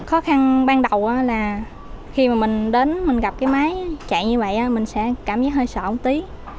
khó khăn ban đầu là khi mà mình đến mình gặp cái máy chạy như vậy mình sẽ cảm giác hơi sợ hãn tí